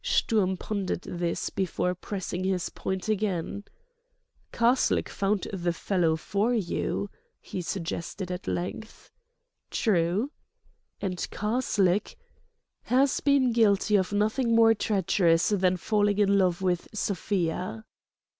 Sturm pondered this before pressing his point again. "Karslake found the fellow for you," he suggested at length. "True." "And Karslake—" "Has been guilty of nothing more treacherous than falling in love with Sofia."